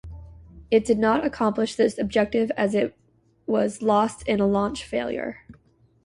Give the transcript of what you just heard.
It did not accomplish this objective as it was lost in a launch failure.